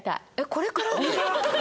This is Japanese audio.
「これから」？